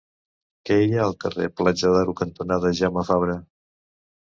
Què hi ha al carrer Platja d'Aro cantonada Jaume Fabra?